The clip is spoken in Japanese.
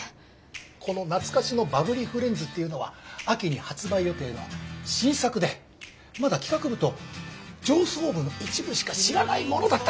この懐かしのバブリーフレンズっていうのは秋に発売予定の新作でまだ企画部と上層部の一部しか知らないものだったんだ。